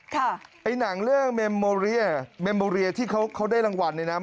ชาวโลกค่ะไอ้หนังเรื่องเมมโมเรียเมมโมเรียที่เขาเขาได้รางวัลในนั้น